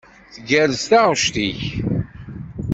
Tgerrez taɣect-ik.